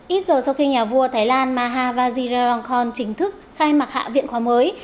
ít giờ sau khi nhà vua thái lan maha vajirangkon chính thức khai mạc hạ viện khóa mới